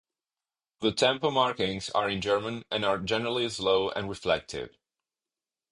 The tempo markings are in German and are generally slow and reflective.